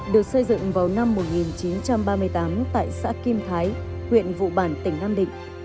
được xây dựng vào năm một nghìn chín trăm ba mươi tám tại xã kim thái huyện vụ bản tỉnh nam định